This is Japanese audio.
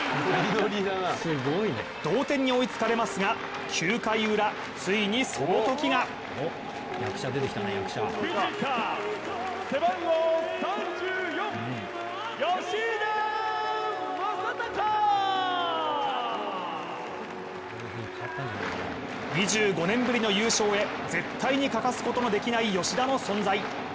同点に追いつかれますが９回ウラついにそのときが２５年ぶりの優勝へ絶対に欠かすことのできない吉田の存在。